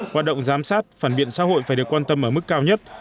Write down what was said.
hoạt động giám sát phản biện xã hội phải được quan tâm ở mức cao nhất